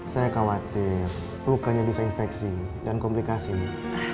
saya khawatir lukanya bisa infeksi dan komplikasi ini